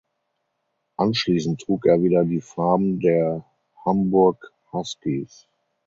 Anschließend trug er wieder die Farben der Hamburg Huskies.